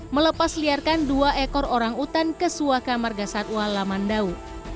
melepas liarkan dua ekor orang utan ke suwaka margasatwa lamandau